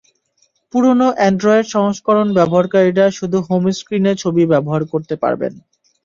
পুরোনো অ্যান্ড্রয়েড সংস্করণ ব্যবহারকারীরা শুধু হোম স্ক্রিনে ছবি ব্যবহার করতে পারবেন।